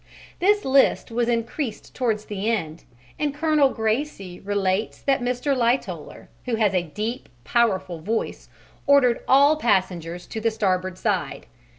This list was increased towards the end, and Colonel Gracie relates that Mr. Lightoller, who has a deep, powerful voice, ordered all passengers to the starboard side.